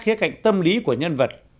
khía cạnh tâm lý của nhân vật